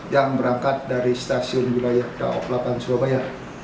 yang berangkat dari stasiun wilayah daob delapan surabaya